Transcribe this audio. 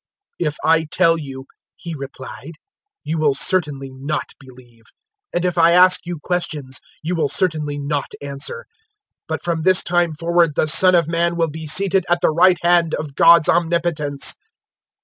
"If I tell you," He replied, "you will certainly not believe; 022:068 and if I ask you questions, you will certainly not answer. 022:069 But from this time forward the Son of Man will be seated at the right hand of God's omnipotence."